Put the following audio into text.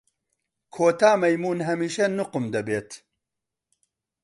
کۆتا مەیموون هەمیشە نوقم دەبێت.